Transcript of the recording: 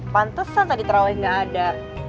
pantesan tadi taraweh gak ada